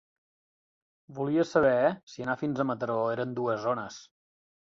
Volia saber si anar fins a Mataró eren dues zones.